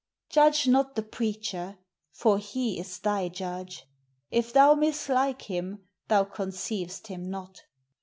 Judge not the preacher; for he is thy judge: If thou mislike him, thou conceiv'st him not.